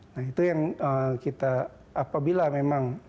nah itu yang kita apabila memang